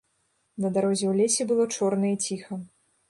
На дарозе ў лесе было чорна і ціха.